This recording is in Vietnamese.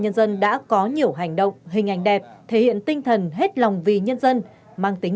nhân dân đã có nhiều hành động hình ảnh đẹp thể hiện tinh thần hết lòng vì nhân dân mang tính